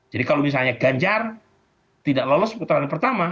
jadi kalau misalnya ganjar tidak lolos putaran pertama